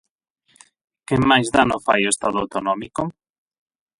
¿Quen máis dano fai ao Estado autonómico?